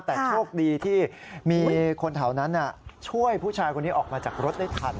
แต่โชคดีที่มีคนแถวนั้นช่วยผู้ชายคนนี้ออกมาจากรถได้ทัน